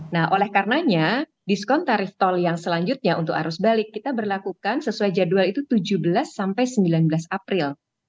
nah oleh karenanya diskon tarif tol yang selanjutnya untuk arus balik kita berlakukan sesuai jadwal itu tujuh belas sampai sembilan belas april